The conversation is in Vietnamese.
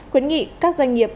khuyến nghị các doanh nghiệp